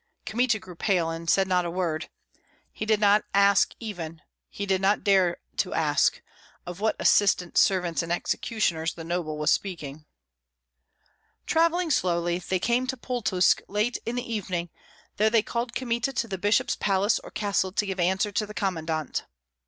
Kmita grew pale and said not a word. He did not ask even he did not dare to ask of what assistants, servants, and executioners that noble was speaking. Travelling slowly, they came to Pultusk late in the evening; there they called Kmita to the bishop's palace or castle to give answer to the commandant.